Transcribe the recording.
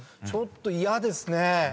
ちょっと嫌ですね。